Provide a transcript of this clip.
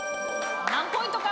何ポイントか？